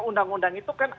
undang undang itu kan